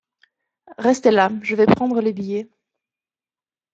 Restez là, je vais prendre les billets…